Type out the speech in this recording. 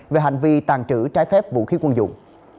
về hành vi tàn trữ trái phép vũ khí quân dụng